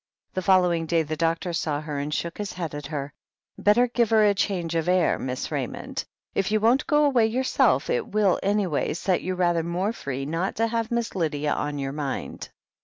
The following day the doctor saw her, and shook his head at her. "Better give her a change of air. Miss Raymond. If you won't go away yourself, it will, anyway, set you rather more free not to have Miss Lydia on your mind."